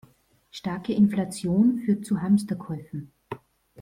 Starke Inflation führt zu Hamsterkäufen.